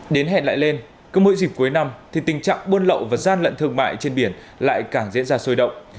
đến hẹn lại lên cứ mỗi dịp cuối năm thì tình trạng buôn lậu và gian lận thương mại trên biển lại càng diễn ra sôi động